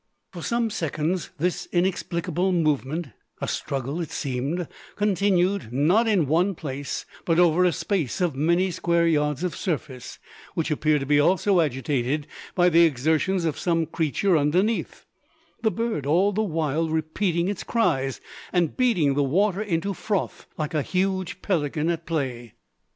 For some seconds this inexplicable movement, a struggle it seemed, continued; not in one place, but over a space of many square yards of surface, which appeared to be also agitated by the exertions of some creature underneath; the bird all the while repeating its cries, and beating the water into froth, like a huge pelican at play!